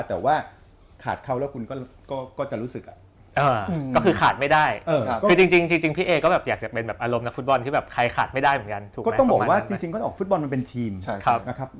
แต่ว่าขาดเขาแล้วก็จะรู้สึก